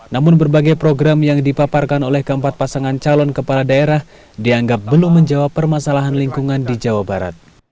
namun berbagai program yang dipaparkan oleh keempat pasangan calon kepala daerah dianggap belum menjawab permasalahan lingkungan di jawa barat